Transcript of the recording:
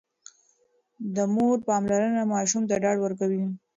د مور پاملرنه ماشوم ته ډاډ ورکوي.